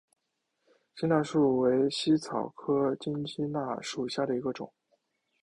鸡纳树为茜草科金鸡纳属下的一个种。